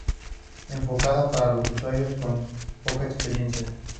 Enfocada para los usuarios con poca experiencia.